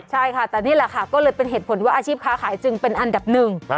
ใช่ค่ะแต่นี่แหละค่ะก็เลยเป็นเหตุผลว่าอาชีพค้าขายจึงเป็นอันดับหนึ่ง